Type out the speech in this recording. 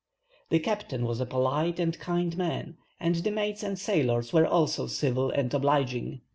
The captain was a polite and kind man, and the mates and sailors were also civil and obliging.